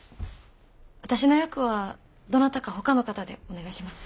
私の役はどなたかほかの方でお願いします。